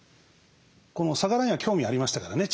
魚には興味ありましたからね